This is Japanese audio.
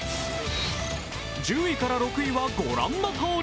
１０位から６位は御覧のとおり。